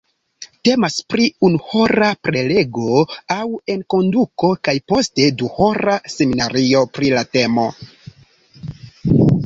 Temas pri unuhora prelego aŭ enkonduko kaj poste duhora seminario pri la temo.